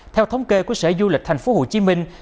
theo thống kê của sở du lịch thành phố hồ chí minh